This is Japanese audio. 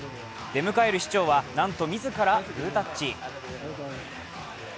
出迎える市長はなんと自らグータッチ。